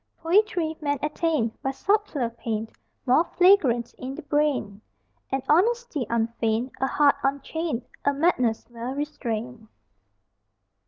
Poetry, men attain By subtler pain More flagrant in the brain An honesty unfeigned, A heart unchained, A madness well restrained.